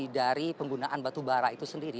dari penggunaan batubara itu sendiri